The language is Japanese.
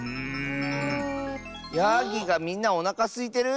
やぎがみんなおなかすいてる？